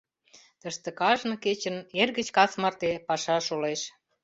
Тыште кажне кечын, эр гыч кас марте, паша шолеш.